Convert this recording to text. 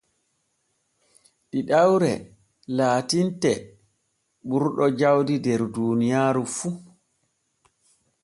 Ɗiɗawre laatinte ɓurɗo jawdi der duuniyaaru fu.